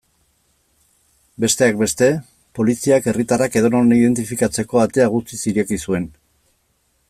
Besteak beste, poliziak herritarrak edonon identifikatzeko atea guztiz ireki zuen.